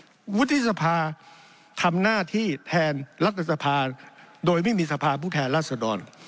ยุคพุทธธิสภาทำหน้าที่แทนรัฐธิสภาโดยไม่มีสภาพุทธแทนรัฐสดร